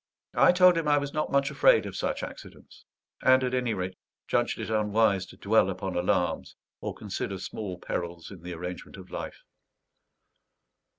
I told him I was not much afraid of such accidents; and at any rate judged it unwise to dwell upon alarms or consider small perils in the arrangement of life.